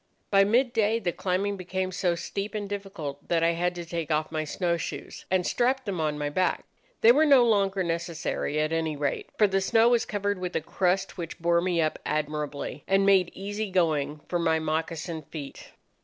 By mid day the climbing became so steep and difficult that I had to take off my snow shoes, and strapped them on my back. They were no longer necessary, at any rate, for the snow was covered with a crust which bore me up admirably, and made easy going for my moccasined feet.